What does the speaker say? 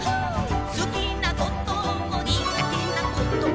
「すきなこともにがてなことも」